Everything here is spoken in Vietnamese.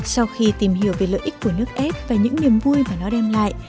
sau khi tìm hiểu về lợi ích của nước ép và những niềm vui mà nó đem lại